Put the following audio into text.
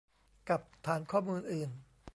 กับฐานข้อมูลอื่น